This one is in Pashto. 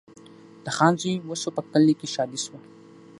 د خان زوی وسو په کلي کي ښادي سوه